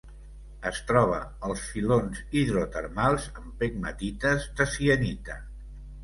Es troba als filons hidrotermals en pegmatites de sienita.